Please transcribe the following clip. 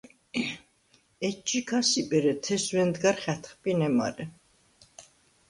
ეჯჟი ქასიპ, ერე თეს ვენდგარ ხა̈თხპინე მარე.